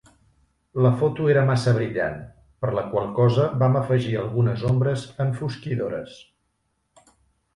La foto era massa brillant, per la qual cosa vam afegir algunes ombres enfosquidores.